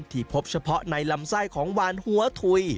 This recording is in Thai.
พบเฉพาะในลำไส้ของวานหัวถุย